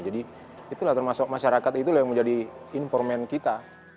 jadi itulah termasuk masyarakat itulah yang menjadi informen kita